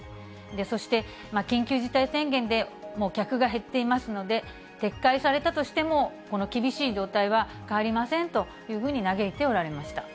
そして、緊急事態宣言で、もうお客が減っていますので、撤回されたとしても、この厳しい状態は変わりませんというふうに嘆いておられました。